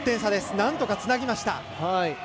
なんとかつなぎました。